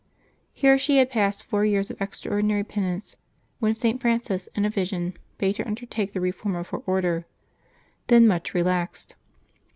Here she had passed four years of extraordinary penance when St. Francis, in a vision, bade her undertake the reform of her Order, then much re laxed.